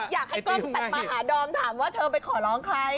อยากให้กล้องตัดมาหาดอมถามว่าเธอไปขอร้องใคร